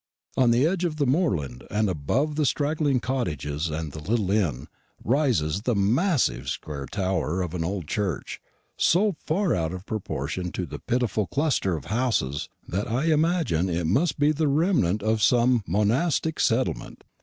On the edge of the moorland, and above the straggling cottages and the little inn, rises the massive square tower of an old church, so far out of proportion to the pitiful cluster of houses, that I imagine it must be the remnant of some monastic settlement.